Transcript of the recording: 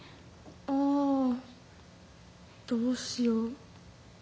「あどうしよう。